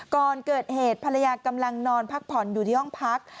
ก่อนเกิดเหตุภรรยากำลังนอนพักผ่อนอยู่ที่ห้องพัก